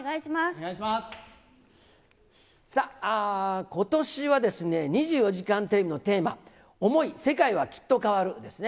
さあ、ことしはですね、２４時間テレビのテーマ、想い世界は、きっと変わる。ですね。